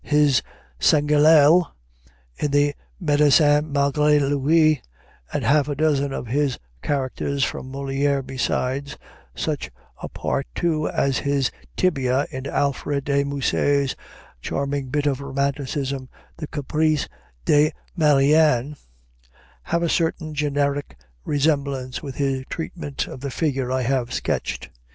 His Sganarelle, in the "Médicin Malgré Lui," and half a dozen of his characters from Molière besides such a part, too, as his Tibia, in Alfred de Musset's charming bit of romanticism, the "Caprices de Marianne" have a certain generic resemblance with his treatment of the figure I have sketched.